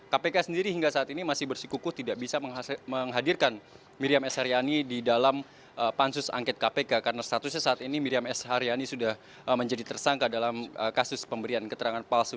kpk sendiri hingga saat ini masih bersikukuh tidak bisa menghadirkan miriam s haryani di dalam pansus angket kpk karena statusnya saat ini miriam s haryani sudah menjadi tersangka dalam kasus pemberian keterangan palsu